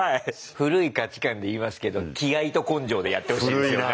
古い価値観で言いますけど気合いと根性でやってほしいですよね。